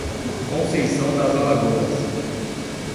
Conceição das Alagoas